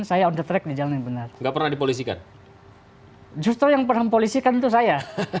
saya on the track di jalan yang benar enggak pernah dipolisikan justru yang pernah polisikan itu saya